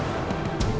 sayang udah dong